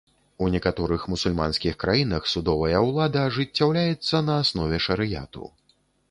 У некаторых мусульманскіх краінах судовая ўлада ажыццяўляецца на аснове шарыяту.